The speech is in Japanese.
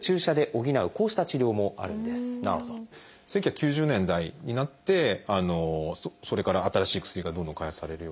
１９９０年代になってそれから新しい薬がどんどん開発されるように。